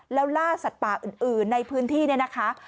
แล้วล่าสัตว์ป่าอื่นในพื้นที่เนี่ยนะคะ